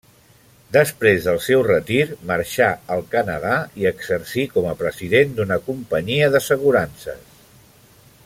Després del seu retir marxà al Canadà i exercí com a president d'una companyia d'assegurances.